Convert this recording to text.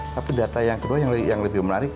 tapi data yang kedua yang lebih menarik